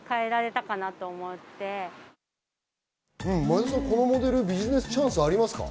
前田さん、このモデル、ビジネスチャンスありますか？